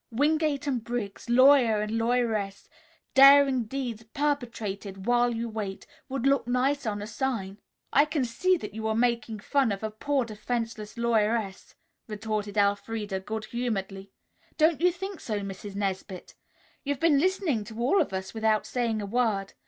'Wingate and Briggs, Lawyer and Lawyeress. Daring Deeds Perpetrated While You Wait,' would look nice on a sign." "I can see that you are making fun of a poor defenseless lawyeress," retorted Elfreda good humoredly. "Don't you think so, Mrs. Nesbit? You've been listening to all of us without saying a word.